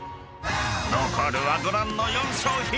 ［残るはご覧の４商品］